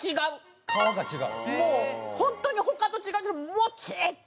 もう本当に他と違ってもちっ！と。